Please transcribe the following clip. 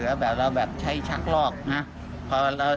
ถือเหรอแบบเราแบบใช้ชักลอกนะ